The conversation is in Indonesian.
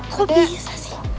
kok bisa sih